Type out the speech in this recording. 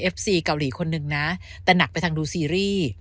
ซีเกาหลีคนหนึ่งนะแต่หนักไปทางดูซีรีส์